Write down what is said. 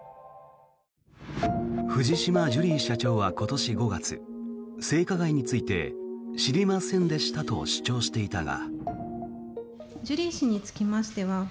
藤島ジュリー社長は今年５月性加害について知りませんでしたと主張していたが。